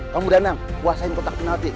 kamu beranang kuasain kotak penalti